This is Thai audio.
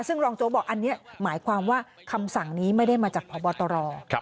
ซึ่งรองโจ๊กบอกอันนี้หมายความว่าคำสั่งนี้ไม่ได้มาจากพบตร